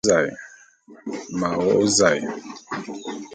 M'a wô'ô zae.